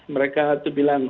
mereka itu bilang